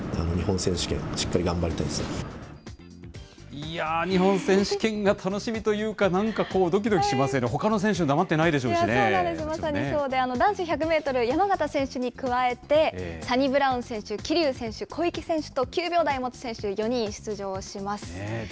いやー、日本選手権が楽しみというか、なんかどきどきしますね、ほかの選手、そうなんです、まさにそうで、男子１００メートル、山縣選手に加えて、サニブラウン選手、桐生選手、小池選手と、９秒台を持つ選手、４人出場します。